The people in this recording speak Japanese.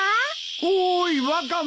おーいワカメ